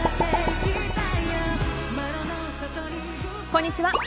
こんにちは。